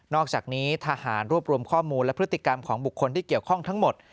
อกจากนี้ทหารรวบรวมข้อมูลและพฤติกรรมของบุคคลที่เกี่ยวข้องทั้งหมด